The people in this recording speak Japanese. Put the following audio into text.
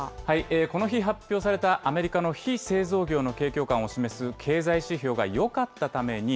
この日発表された、アメリカの非製造業の景況感を示す経済指標がよかったために、